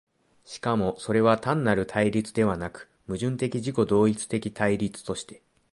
しかもそれは単なる対立ではなく、矛盾的自己同一的対立として、